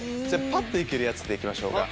ぱっと行けるやつで行きましょうか。